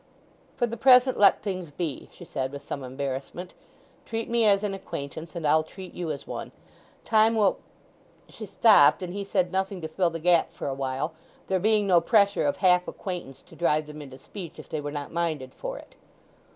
"For the present let things be," she said with some embarrassment. "Treat me as an acquaintance, and I'll treat you as one. Time will—" She stopped; and he said nothing to fill the gap for awhile, there being no pressure of half acquaintance to drive them into speech if they were not minded for it.